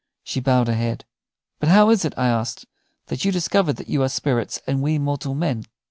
She bowed her head. "But how is it," I asked, "that you discovered that you are spirits and we mortal men?"